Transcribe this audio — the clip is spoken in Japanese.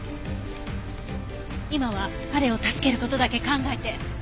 今は彼を助ける事だけ考えて。